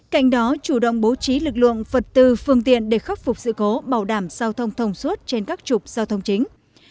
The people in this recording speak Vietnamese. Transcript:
cạnh đó chủ động bố trí lực lượng vật tư phương tiện để khắc phục sự cố bảo đảm giao thông thông suốt trên các trục giao thông chính